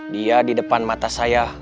dia di depan mata saya